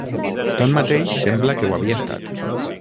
Tanmateix sembla que ho havia estat.